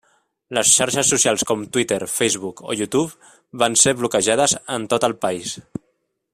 Les xarxes socials com Twitter, Facebook o YouTube van ser bloquejades en tot el país.